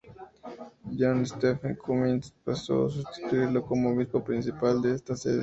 John Stephen Cummins, pasó a sustituirlo como Obispo principal de esta sede.